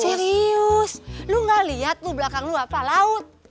serius lo gak liat lo belakang lo apa laut